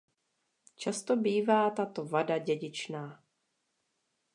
Často bývá tato vada dědičná.